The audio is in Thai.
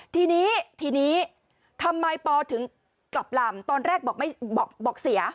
ทีนี้ทีนี้ทำไมปอถึงกลับลำตอนแรกบอกเสีย